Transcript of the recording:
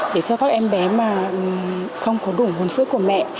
để cho các em bé mà không có đủ nguồn sức của mẹ